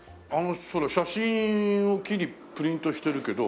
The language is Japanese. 写真を木にプリントしてるけど。